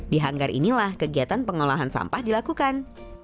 di hanggar inilah kegiatan pengolahan sampah dilakukan